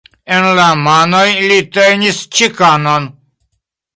En la manoj li tenis "ĉekanon".